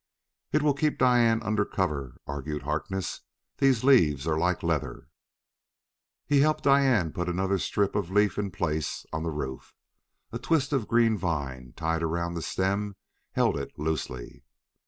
"It will keep Diane under cover," argued Harkness; "these leaves are like leather." He helped Diane put another strip of leaf in place on the roof; a twist of green vine tied around the stem held it loosely.